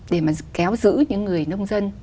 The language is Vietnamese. để mà kéo giữ những người nông dân